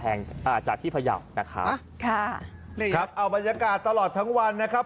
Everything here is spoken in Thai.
เอาบรรยากาศตลอดทั้งวันนะครับ